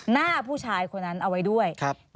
หน้าผู้ชายคนนั้นเอาไว้ด้วย